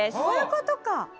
そういうことか。